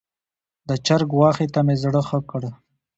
د چرګ غوښې ته مې زړه ښه کړ.